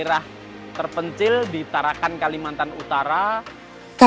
daerah terpencil di tarakan kalimantan utara